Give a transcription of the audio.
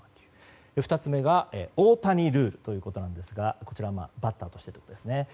２つ目が大谷ルールということですがこちらバッターとしてですね。